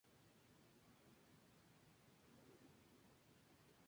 El sitio web se describe como los fabricantes", ubicada en Melbourne, Australia.